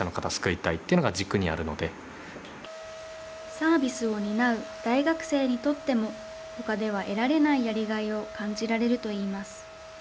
サービスを担う大学生にとっても、ほかでは得られないやりがいを感じられるといいます。